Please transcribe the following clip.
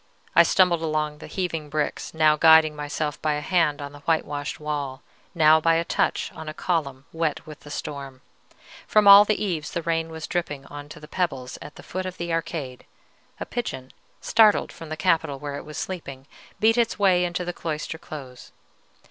I stumbled along the heaving bricks, now guiding myself by a hand on the whitewashed wall, now by a touch on a column wet with the storm. From all the eaves the rain was dripping on to the pebbles at the foot of the arcade: a pigeon, startled from the capital where it was sleeping, beat its way into the cloister close.